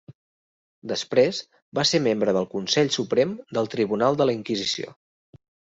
Després, va ser membre del Consell Suprem del Tribunal de la Inquisició.